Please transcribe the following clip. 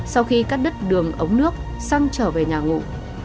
sau khi cắt đứt đường ống nước săng trở về nhà ngụ